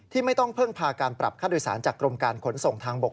ไม่ต้องพึ่งพาการปรับค่าโดยสารจากกรมการขนส่งทางบก